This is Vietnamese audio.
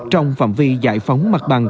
trong phạm vi giải phóng mặt bằng